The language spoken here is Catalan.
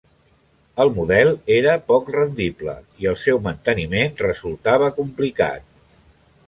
El model era poc rendible i el seu manteniment resultava complicat.